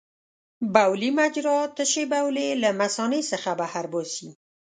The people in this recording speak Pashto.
بولي مجرا تشې بولې له مثانې څخه بهر باسي.